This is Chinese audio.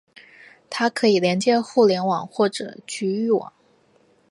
它可以连接互联网或者局域网。